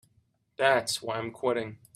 That's why I'm quitting.